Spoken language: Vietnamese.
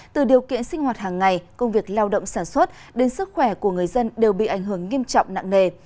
từ điều kiện sinh hoạt hàng ngày công việc lao động sản xuất đến sức khỏe của người dân đều bị ảnh hưởng nghiêm trọng nặng nề